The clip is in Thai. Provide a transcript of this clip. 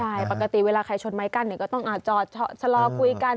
ใช่ปกติเวลาใครชนไม้กั้นก็ต้องจอดชะลอคุยกัน